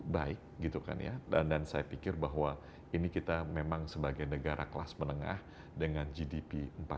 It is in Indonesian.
baik gitu kan ya dan saya pikir bahwa ini kita memang sebagai negara kelas menengah dengan gdp empat